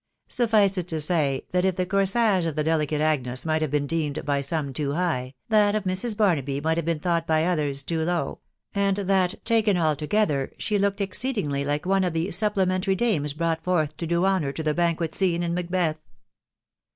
Suffice it to say, that if the corsage of the delicate Agnes might have been deemed by some too high, that of Mrs. Barnaby might have been thought by others too low ; and that, taken altogether, she looked exceedingly like one of the supple mentary dames brought forth to do honour to the banquet scene in Macbeth.